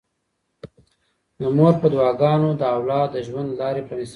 د مور په دعاګانو د اولاد د ژوند لارې پرانیستل کيږي.